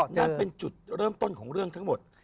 นั่นเป็นจุดเริ่มต้นของเรื่องทั้งหมด